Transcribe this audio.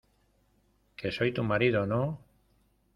que soy tu marido, ¿ no?